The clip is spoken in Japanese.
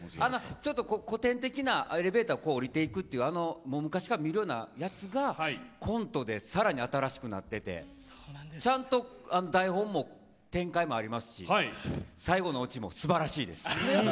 ちょっと古典的なエスカレーター降りていくっていうような昔から見るようなやつがコントでさらに新しくなっててちゃんと台本も展開もありますし最後のオチもすばらしいです。